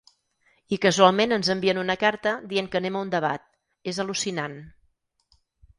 I casualment ens envien una carta dient que anem a un debat, és al·lucinant.